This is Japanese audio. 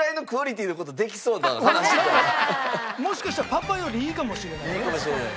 多分もしかしたらパパよりいいかもしれないね。